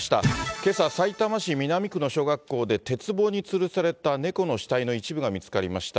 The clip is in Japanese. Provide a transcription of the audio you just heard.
けさ、さいたま市南区の小学校で、鉄棒につるされた猫の死体の一部が見つかりました。